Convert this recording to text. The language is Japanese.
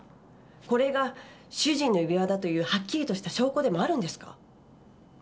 これが主人の指輪だというはっきりとした証拠でもあるんですか？